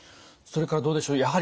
それからどうでしょう。